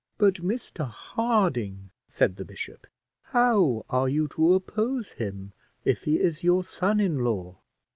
"But, Mr Harding," said the bishop, "how are you to oppose him, if he is your son in law?"